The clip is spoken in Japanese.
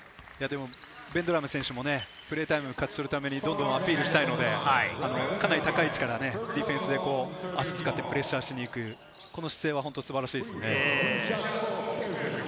ベンドラメ選手もプレータイムを勝ち取るために、どんどんアピールしたいので、かなり高い位置からディフェンスで、足を使ってプレッシャーしていく、その姿勢は本当に素晴らしいです